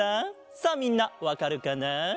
さあみんなわかるかな？